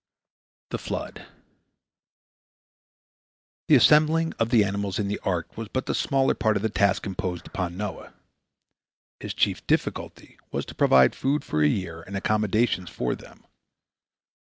THE FLOOD The assembling of the animals in the ark was but the smaller part of the task imposed upon Noah. His chief difficulty was to provide food for a year and accommodations for them.